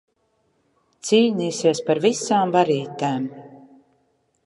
Cīnīsies par visām varītēm.